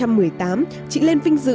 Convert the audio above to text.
năm hai nghìn một mươi tám chị lên vinh dự